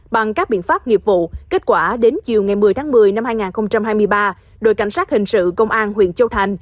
bằng các biện pháp nghiệp vụ kết quả đến chiều ngày một mươi tháng một mươi năm hai nghìn hai mươi ba đội cảnh sát hình sự công an huyện châu thành